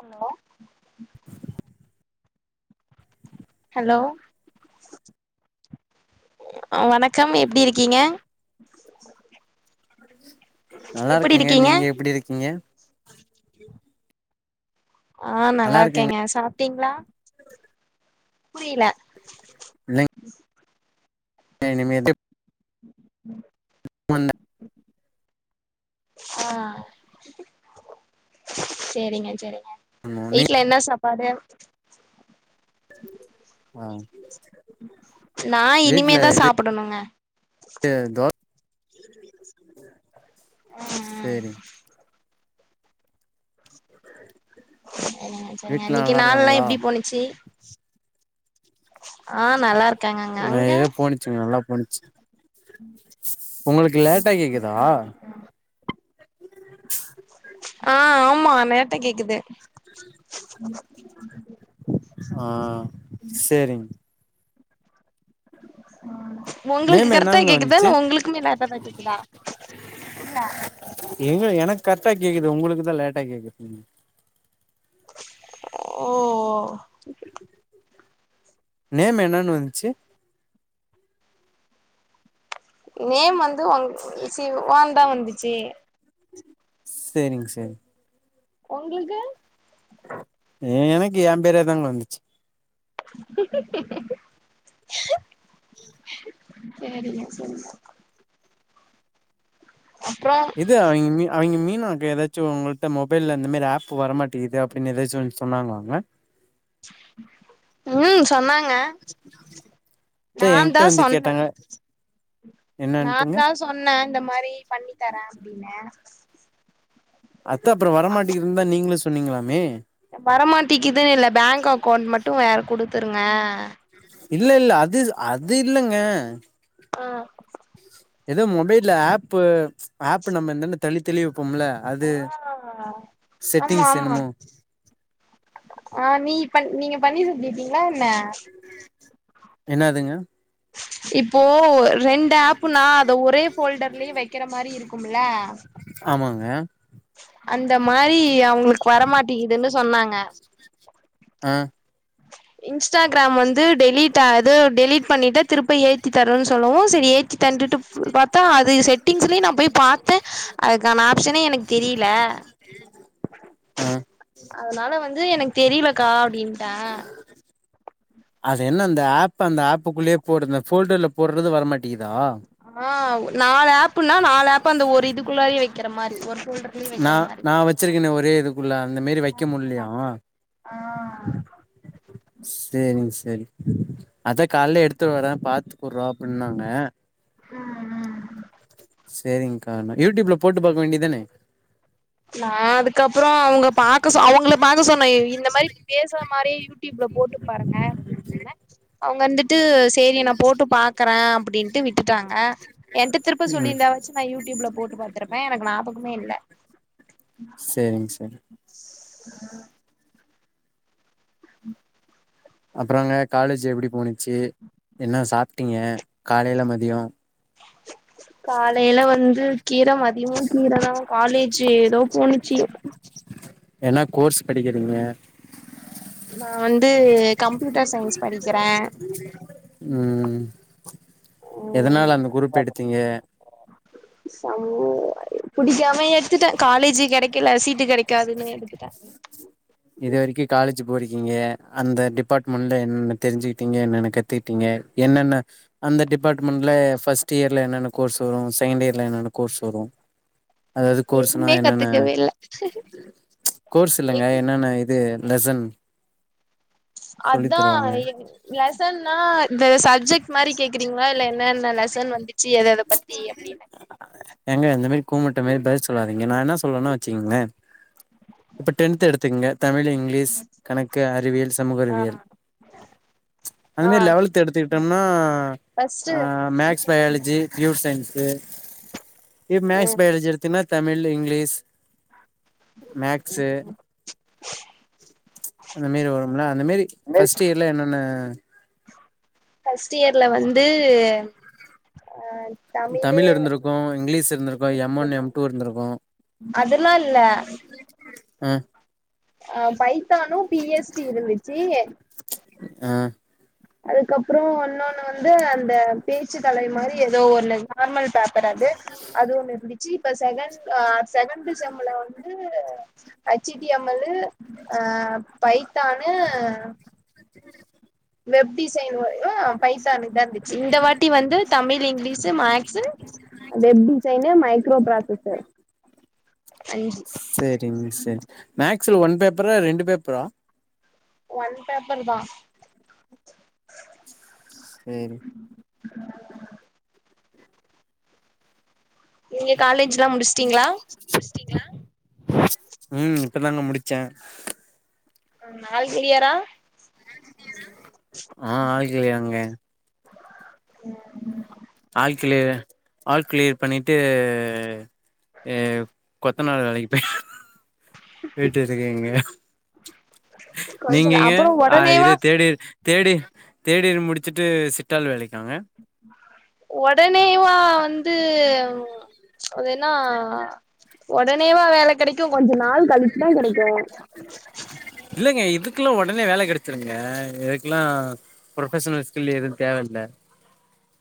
hello hello வணக்கம் எப்டி இருக்கீங்க நல்லா எப்டி இருக்கேங்க இருக்கீங்க நீங்க எப்படி இருக்கீங்க ஆ நல்லா இருக்கேங்க சாப்ட்டீங்களா புரியல இல்லைங் இனிமேட்டு ம் முன்ன ஆ சேரிங்க சேரிங்க நீ வீட்ல என்ன சாப்பாடு ஆ நா வீட்ல இனிமேதா இது சாப்புடணும்ங்க தோ சேரி சேரிங்க சேரிங்க வீட்ல இன்னைக்கு நல்லா நாள்லா இருக்காங்களா எப்டி போனுச்சு ஆ நல்லா இருக்காங்கங்க ஆ அங்க ஏதோ போணுச்சுங்க நல்லா போனுச்சு உங்களுக்கு லேட்டா கேக்குதா ஆ ஆமா நேத்த கேக்குது ஆ சேரிங் உங்களுக்கு நேம் கரெக்டா என்னங்க கேக்குதா வந்துச்சு இல்ல உங்களுக்குமே லேட்டா தா கேக்குதா எங்க எனக்கு கரெக்டா கேக்குது உங்களுக்கு தா லேட்டா கேக்குது ஓ ஓ நேம் என்னன்னு வந்துச்சு நேம் வந்து உங் சிவான் தா வந்துச்சு சேரிங்க சேரி உங்களுக்கு ஏ எனக்கு ஏ பேரே தாங்க வந்துச்சு சேரிங்க சேரிங்க அப்புறோ இது அவிங்க மீ அவிங்க மீனாக்கு ஏதாச்சும் உங்கள்ட்ட மொபைல்ல இந்த மாரி ஆப் வரமாட்டேங்குது பின்ன எதாச்சு வந்து சொன்னாங்களாங்க ம் சொன்னாங்க அத நான்தா ஏங்கிட்ட வந்து சொன்னே கேட்டாங்க என்னானுட்டுங்க சொன்ன இந்த மாரி பண்ணி தரே அப்டின்னு அதுதா அப்றோ வரமாட்டிங்குதுனு தா நீங்களு சொன்னீங்ளாமே வரமாட்டிக்கிதுனு இல்ல பேங்க் அக்கௌண்ட் மட்டு வேற குடுத்துருங்க இல்ல இல்ல அதுஸ் அது இல்லங்க ஆ எதோ மொபைல்ல ஆப்பு ஆப்பு நம்ம என்னெனு தள்ளி தள்ளி வெப்போம்ல ஆ அது ஆமா செட்டிங்சு ஆமா என்னமோ ஆ நீ பண் நீங்க பண்ணி சொல்லிருப்பீங்களா என்ன என்னதுங்க இப்போ ரெண்டு ஆப்புனா அத ஒரே போல்டர்லே வைக்கிற மாரி இருக்கும்ல ஆமாங்க அந்த மாரி அவுங்களுக்கு வரமாட்டிகிதுனு சொன்னாங்க ஆ இன்ஸ்டாகிராம் வந்து டெலிட் அது டெலிட் பண்ணிட்டு திருப்ப ஏத்தி தரனு சொல்லவு செரி ஏத் தந்துட்டு பாத்தா அது செட்டிங்ஸ்லே நா போய் பாத்தே அதுக்கான ஆப்ஷனே எனக்கு தெரியில ஆ அதனால வந்து எனக்கு தெரியலக்கா அப்டினு உ அது என்ன அந்த ஆப் அந்த ஆப்புக்குள்ளேயே போடுதுந்த ஃபோல்டர்ல போடுறது வரமாட்டேங்குதா ஆ நாலு ஆப்புன்னா நாலு ஆப் அந்த ஒரு இதுக்குள்ளாரே வைக்கிற மாரி ஒரு ஃபோல்டர்லயே நா வைக்கிற மாரி நா வச்சுருக்கேனே ஒரே இதுக்குள்ள அந்த மாரி வைக்க முல்லயா ஆ செரிங்க செரி அதா கால்ல எடுத்து வரே பாத்து கூப்ட்றோ அப்டின்னாங்க ம் ஆ செரிங்க்கா நா யூடியூப்ல போட்டு பாக்க வேண்டியதானே நா அதுக்கப்றோ அவுங்க பாக்க சொ அவுங்கள பாக்க சொன்னே இ இந்த மாரி பேசுற மாரி டியூப்ல போட்டு பாருங்க அப்டின்னு சொன்ன அவுங்க வந்துட்டு செரி நா போட்டு பாக்கறே அப்டின்டு விட்டுட்டாங்க என்ட திருப்ப ம் சொல்லிருந்தாவாச்சு நா யூடியூப்ல போட்டு பாத்துருப்பே எனக்கு ஞாபகமே இல்ல சேரிங் சார் ஆ ம் அப்றோங்க காலேஜு எப்டி போனுச்சு என்ன சாப்டீங்க காலையில மதியோ காலையில வந்து கீர மதியமு கீர தா காலேஜு ஏதோ போனுச்சு என்ன கோர்ஸ் படிக்கிறீங்க நா வந்து கம்ப்யூட்டர் சயின்ஸ் படிக்கிற ம் எதனால அந்த குரூப் எடுத்தீங்க சமூக அறிவி புடிக்காம எடுத்துட்டே காலேஜு கெடைக்கல சீட்டு கெடைக்காதுனு எடுத்துட்ட இது வர்க்கி காலேஜு போறிக்கிங்கே அந்த டிபாட்மண்ல என்னன்ன தெரிஞ்சிக்கிட்டீங்கன்னனக்கு தேிப்பிங்க என்னென்ன ஃப் அந்த டிபாட்மெண்ட்ல ஃபஸ்ட் இயர்ல என்னென்ன கோர்ஸ் வரு செய்ண்ட் இயர்ல என்னென்ன கோர்ஸ் வரு அதாவ்து கோர்ஸுனா எதுவுமே என்னன்ன கத்துக்கவே இல்ல கோர்ஸ் எங் இல்லங்கய் என்னன்ன இது லஜன் அதா என் லசன்னா இந்த சப்ஜெட் மாரி கேக்கிறீங்ளா இல்ல என்னென்ன லசன் வந்துச்சி எத எத பத்தி அப்பின்னு எங்க இந்த மரி கூமுட்ட மாரி பதில் சொல்லாதீங்க நா என்னா சொல்லேன்னா வச்சிங்லே இப்ப டென்த்து எடுத்துக்குங்க தமிழி இங்க்லீஸ் கணக்கு அறிவியல் சமூக ஆ அறிவியல் அதுமர் ஆ லெவல்த் எடுத்திட்டோம்னா ஃபஸ்ட்டு ஆ மேக்ஸ் பயாலஜி ப்யூர் சயின்ஸு எ மேக்ஸ் ம் பயாலஜி எடுத்தீனா தமிழு இங்க்லீஸ் மேக்ஸு அந்த மேரி வரும்ல அந்த மேரி ஃபஸ்ட் இயர்ல என்னன்ன ஃபஸ்ட் இயர்ல வந்து எம் ஆய் தமிழ் எருந்துருக்கு இங்கிலீஸ் இருந்துருக்கு எம் ஒன் எம் டூ இருந்துருக்கு அதெல்லா இல்ல அ அ பைத்தானு பிஎஸ்டி இருந்துச்சி ஆ அதுக்கப்றோ ஒன்னொன்னு வந்து அந்த பேச்சு தலை மாரி எதோ ஒன்னு நார்மல் பேப்பர் அது அது ஒண்ணு இருந்துச்சி இப்ப செகண்ட் ஆ செகன்த்து செம்ல வந்து அச்சிட்டி எம்மல்லு அ பைத்தானு வெப் டிசைன் வ ஊ பைத்தானு இதான்தி சி இந்த வாட்டி வந்து Tamil English maths web design microprocessor அஞ்சு செரிங்க செ மேக்ஸ்ல வன் பேப்பரா ரெண்டு பேப்பரா வன் பேப்பர் தா ஸ் செரி நீங்க காலேஜ்லா முடிச்ட்டீங்ளா உம் இப்பதாங்க முடிச்ச உ நால்க்லியரா ஆ ஆள்க்ளியங்க ம் ம் ஆள் க்லே ஆள் கிளியர் பண்ணிட்டு ஏவ் கொத் த்தனார் வேளைக்குப்பெய் வீட்டு இருக்கீங்க கொஞ்ச நீங்கெங்க அப்புற ஆ இது உடனேவா தேடி தேடி தேடி முடிச்சுட்டு சிட்டால் வேலைக்காங்க ஒடனேயுவா வந்து உவ் ஆ அது என்னா ஒடனேவா வேல கெடைக்கு கொஞ்ச நாள் கழிச்சுதா கெடைக்கு இல்லங்க இதுக்குல்லா ஒடனே வேல கெடச்சிருங்க இதுக்லா ப்ரொஃபஸனல் ஸ்கில் எதுன் தேவயில்ல